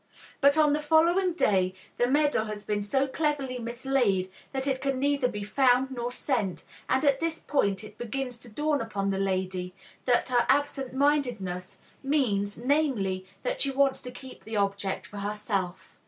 But on the following day, the medal has been so cleverly mislaid that it can neither be found nor sent, and at this point it begins to dawn upon the lady that her "absent mindedness" means, namely, that she wants to keep the object for herself.